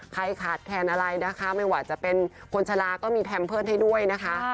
ขาดแคลนอะไรนะคะไม่ว่าจะเป็นคนชะลาก็มีแพมเพิร์ตให้ด้วยนะคะ